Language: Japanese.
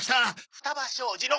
「双葉商事の」